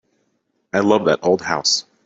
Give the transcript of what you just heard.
I love that old house.